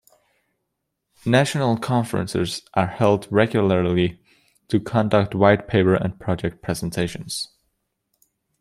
National conferences are held regularly to conduct white-paper and project presentations.